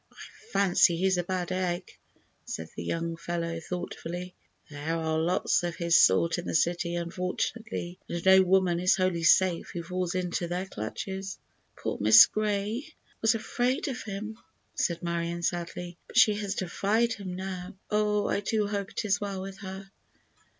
"I fancy he's a bad egg," said the young fellow, thoughtfully. "There are lots of his sort in the city, unfortunately, and no woman is wholly safe who falls into their clutches." "Poor Miss Gray was afraid of him," said Marion, sadly, "but she has defied him now. Oh. I do hope it is well with her."